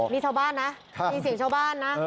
มีชาวบ้านนะมีเสียงชาวบ้านนะ